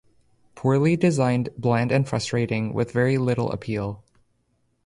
Poorly designed, bland and frustrating, with very little appeal.